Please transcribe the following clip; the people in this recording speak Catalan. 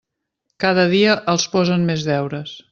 Cada dia els posen més deures.